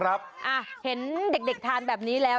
เห็นเด็กทานแบบนี้แล้ว